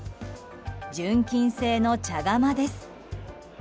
純金製の茶釜です。